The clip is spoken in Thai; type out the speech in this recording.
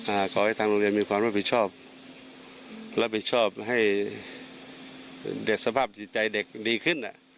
ขอให้ทางโรงเรียนมีความรับผิดชอบรับผิดชอบให้เด็กสภาพจิตใจเด็กดีขึ้นอ่ะ